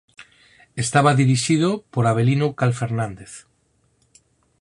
Estaba dirixido por Avelino Cal Fernández.